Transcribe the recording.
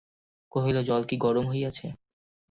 কহিল, জল কি গরম হইয়াছে।